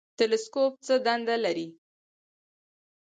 تلسکوپ څه دنده لري؟